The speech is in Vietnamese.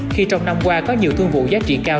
khi trong năm qua có nhiều thương vụ giá trị cao